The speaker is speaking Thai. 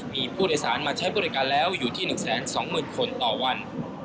มีผู้โดยสารมาใช้บริการแล้วอยู่ที่๑๒๐๐๐คนต่อวัน